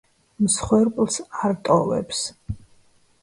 მსხვერპლს არ ტოვებს.